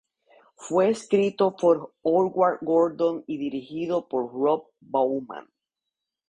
Fue escrito por Howard Gordon y dirigido por Rob Bowman.